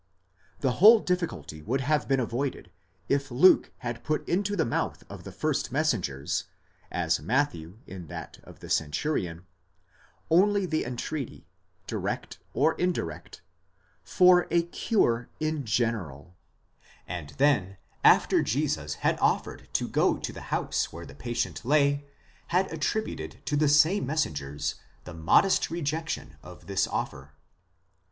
The whole difficulty would have been avoided, if Luke had put into the mouth of the first messengers, as Matthew in that of the centurion, only the entreaty, direct or indirect, for a cure in general ; and then after Jesus had offered to go to the house where the patient lay, had attributed to the same messengers the modest rejection of this offer.